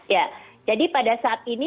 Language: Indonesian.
ya jadi pada saat ini